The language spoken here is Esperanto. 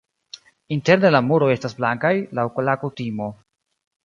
Interne la muroj estas blankaj laŭ la kutimo.